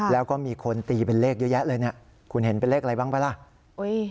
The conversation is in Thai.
แล้วก็มีคนตีเป็นเลขเยอะแยะเลยเนี่ยคุณเห็นเป็นเลขอะไรบ้างป่ะล่ะ